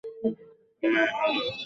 মা, হ্যালো।